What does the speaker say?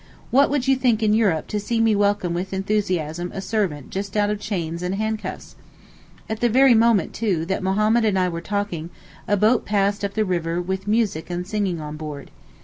What would you think in Europe to see me welcome with enthusiasm a servant just out of chains and handcuffs? At the very moment, too, that Mohammed and I were talking, a boat passed up the river with musick and singing on board.